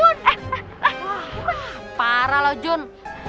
wah parah loh jun